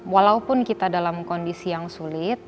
walaupun kita dalam kondisi yang sulit